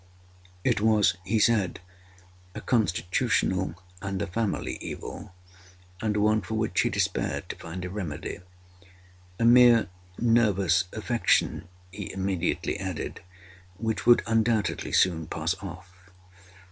It was, he said, a constitutional and a family evil, and one for which he despaired to find a remedy—a mere nervous affection, he immediately added, which would undoubtedly soon pass off.